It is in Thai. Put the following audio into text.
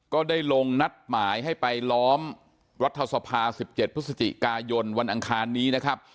ก็ได้ลงนัดหมายให้ไปล้อมรัฐสภา๑๗พฤศจิกายนวันอังคารนี้นะครับ